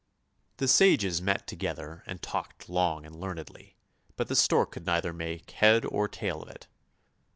' The sages met together and talked long and learnedly, but the stork could neither make head nor tail of it.